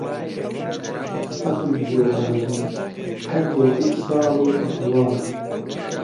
فەقی لێو بابی قەندێ گشت ساڵێ تووتنەوانە